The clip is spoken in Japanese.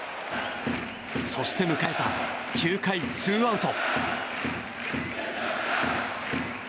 そして、迎えた９回ツーアウト。